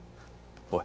おい。